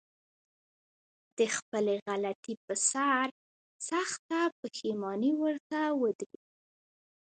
د خپلې غلطي په سر سخته پښېماني ورته ودرېږي.